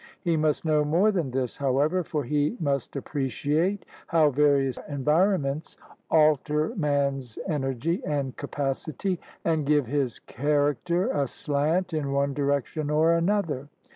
He must know more than this, however, for he must appreciate how various environments THE APPROACHES TO AMERICA 3 alter man's energy and capacity and give his char acter a slant in one direction or another.